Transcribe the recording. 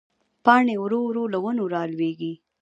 پاڼې ورو ورو له ونو رالوېږي